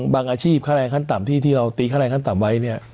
อาชีพค่าแรงขั้นต่ำที่เราตีค่าแรงขั้นต่ำไว้เนี่ย